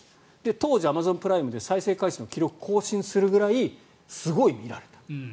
当時、アマゾンプライムで再生回数の記録を更新するぐらいすごい見られた。